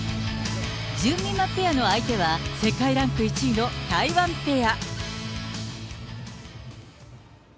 じゅんみまペアの相手は世界ランク１位の台湾ペア。